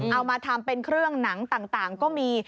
เอามาทำเป็นเครื่องหนังต่างก็มี